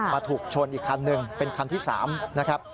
ถูกชนอีกคันหนึ่งเป็นคันที่๓นะครับ